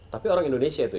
tapi orang indonesia itu